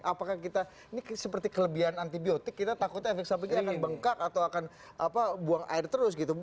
apakah kita ini seperti kelebihan antibiotik kita takutnya efek samping kita akan bengkak atau akan buang air terus gitu